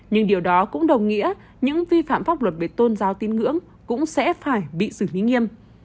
nhưng điều đó cũng đồng nghĩa những vi phạm pháp luật về tôn giáo tin ngưỡng cũng sẽ phải bị xử lý nghiêm